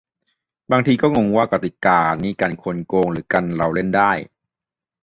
"บางทีก็งงว่ากติกานี่กันคนโกง หรือกันเราเล่นได้"